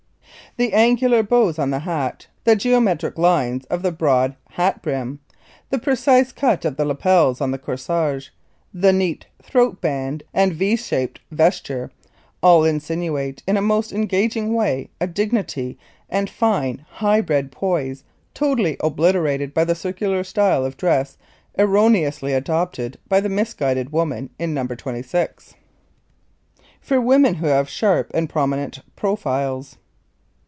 The angular bows on the hat, the geometric lines of the broad hat brim, the precise cut of the lapels on the corsage, the neat throat band and V shaped vesture all insinuate in a most engaging way a dignity and fine, high bred poise totally obliterated by the circular style of dress erroneously adopted by the misguided woman in No. 26. [Illustration: NO. 28] For Women Who Have Sharp and Prominent Profiles.